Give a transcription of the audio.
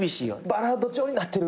バラード調になってるとか。